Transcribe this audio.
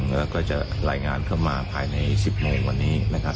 ซึ่งเราก็จะไลน์งานเข้ามาภายใน๑๐โมงวันนี้นะครับ